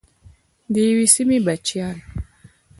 د یوې سیمې بچیان.